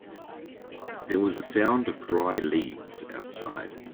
There was a sound of dry leaves outside.